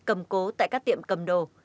cầm cố tại các tiệm cầm đồ